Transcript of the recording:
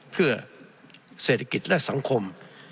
เพื่อเศรษฐกิจและสังคม